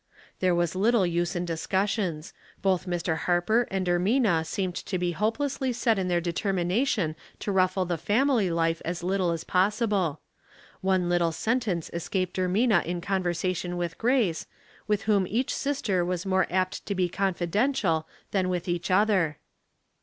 There was little use in discussions ; both Mr. Harper and Ermina seemed to be hopelessly set in their determination to ruffle the famil} life as little as possible. One little sentence escaped Ermina in conversation with Grace, with whom each sister was more apt to be confidential than with each other.